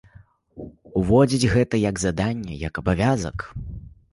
Уводзіць гэта як заданне, як абавязак?